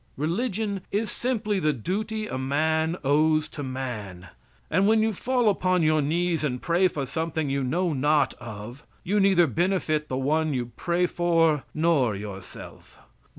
Religion is simply the duty a man owes to man; and when you fall upon your knees and pray for something you know not of, you neither benefit the one you pray for nor yourself.